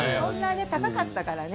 高かったからね。